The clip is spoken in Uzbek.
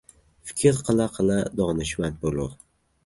Fikr qila-qila donishmand bo‘lur.